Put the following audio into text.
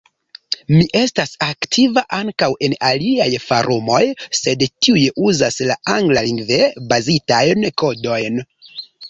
Mi estas aktiva ankaŭ en aliaj forumoj, sed tiuj uzas la anglalingve bazitajn kodojn.